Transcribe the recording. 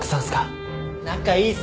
仲いいっすね！